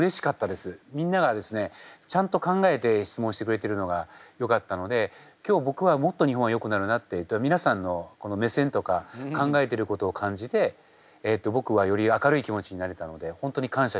みんながですねちゃんと考えて質問してくれてるのがよかったので今日僕はもっと日本はよくなるなって皆さんのこの目線とか考えていることを感じて僕はより明るい気持ちになれたので本当に感謝しています。